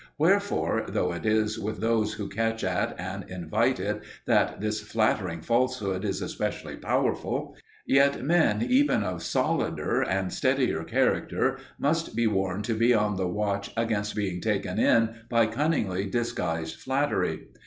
Wherefore, though it is with those who catch at and invite it that this flattering falsehood is especially powerful, yet men even of soldier and steadier character must be warned to be on the watch against being taken in by cunningly disguised flattery.